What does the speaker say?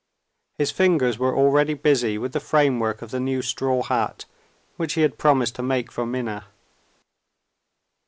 His fingers were already busy with the framework of the new straw hat which he had promised to make for Minna.